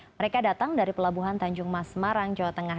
mereka datang dari pelabuhan tanjung mas semarang jawa tengah